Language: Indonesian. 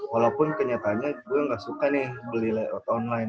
walaupun kenyataannya gue nggak suka nih beli lebaran online